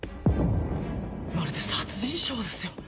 まるで殺人ショーですよ。